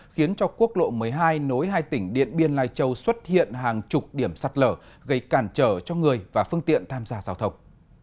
khiến cho quốc lộ một mươi hai nối hai tỉnh điện biên lai châu xuất hiện hàng chục điểm sạt lở gây cản trở cho người và phương tiện tham gia giao thông